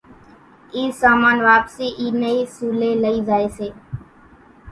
اِي سامان واپسي اي ني اِي سوليَ لئي زائي سي۔